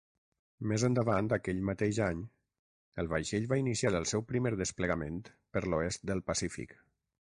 Més endavant, aquell mateix any, el vaixell va iniciar el seu primer desplegament per l'oest del Pacífic.